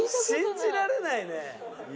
信じられないね。